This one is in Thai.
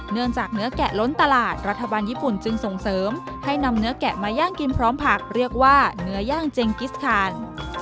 เนื้อจากเนื้อแกะล้นตลาดรัฐบาลญี่ปุ่นจึงส่งเสริมให้นำเนื้อแกะมาย่างกินพร้อมผักเรียกว่าเนื้อย่างเจงกิสคาน